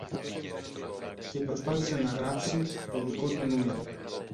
και προσπάθησε να γράψει το δικό του νούμερο